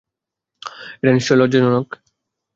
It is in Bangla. এটা নিশ্চয় লজ্জাজনক।